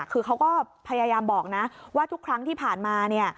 คือเขาก็พยายามบอกนะว่าทุกครั้งที่ผ่านมาเนี่ย